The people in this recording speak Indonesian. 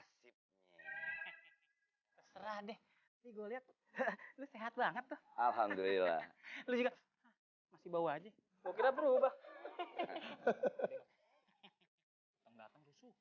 sehat banget tuh alhamdulillah